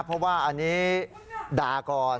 เพราะว่าอันนี้ด่าก่อน